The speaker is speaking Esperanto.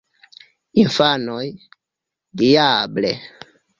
Infanoj: "Diable!"